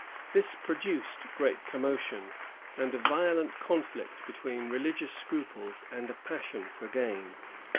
This pro duced great commotion, and a violent conflict between religious scruples and a passion for gain.